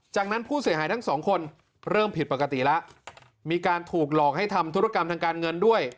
จากนั้นผู้เสียหายทั้งสองคนเริ่มผิดปกติแล้วมีการถูกหลอกให้ทำธุรกรรมทางการเงินด้วย